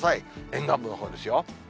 沿岸部のほうですよ。